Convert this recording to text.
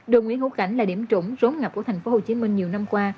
đường nguyễn hữu cảnh là điểm trụng rốn ngập của thành phố hồ chí minh nhiều năm qua